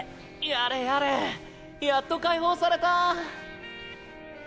やれやれやっと解放された。